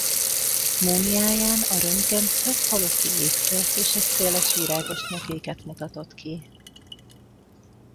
Múmiáján a röntgen több halotti ékszert és egy széles virágos nyakéket mutatott ki.